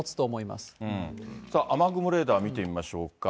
雨雲レーダー見てみましょうか。